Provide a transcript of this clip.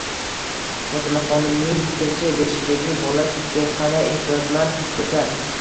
Fotimaxonimning fikricha, beshikdagi bola sutga qanday ehtiyojmand bo'lsa